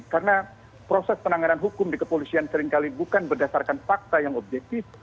karena proses penanganan hukum di kepolisian seringkali bukan berdasarkan fakta yang objektif